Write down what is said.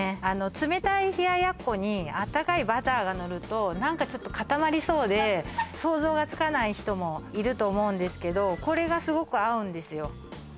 冷たい冷奴にあったかいバターがのると何かちょっと固まりそうで想像がつかない人もいると思うんですけどこれがすごく合うんですよ